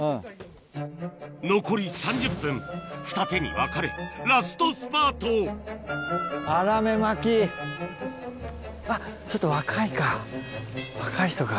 残り３０分ふた手に分かれラストスパートあっちょっと若いか若い人か。